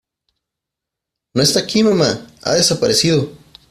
No está aquí, mamá. Ha desaparecido .